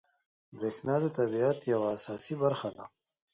بریښنا د طبیعت یوه اساسي برخه ده